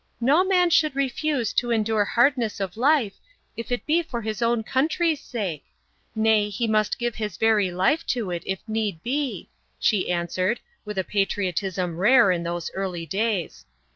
" No man should refuse to endure hardness of life, if it be for his own country's sake : nay, he must give his very life to it, if need be," she answered, with a patriotism rare in those early days.